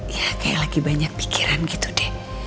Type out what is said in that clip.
ya kayak lagi banyak pikiran gitu deh